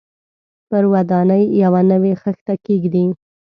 پر ودانۍ یوه نوې خښته کېږدي.